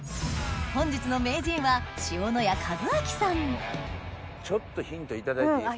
本日の名人はちょっとヒント頂いていいですか？